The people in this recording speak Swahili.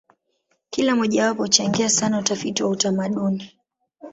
Kila mojawapo huchangia sana utafiti wa utamaduni.